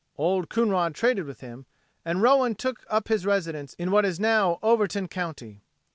Old Coonrod traded with him, and Rowan took up his residence in what is now Overton county.